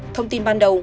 thông tin ban đầu